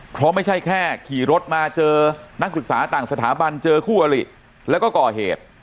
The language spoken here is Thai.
เพราะไม่ใช่แค่ขี่รถมาเจอนักศึกษาต่างสถาบันเจอคู่อลิแล้วก็ก่อเหตุ